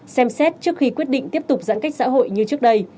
xem xét trước khi quyết định tiếp tục giãn cách xã hội như trước đây